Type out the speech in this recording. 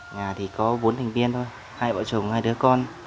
nhà thì có bốn thành viên thôi hai vợ chồng hai đứa con